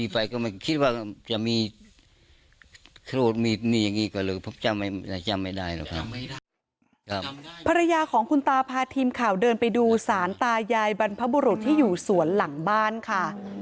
ภรรยาของคุณตาพาทีมข่าวเดินไปดูสารตายายบรรพบุรุษที่อยู่สวนหลังบ้านค่ะ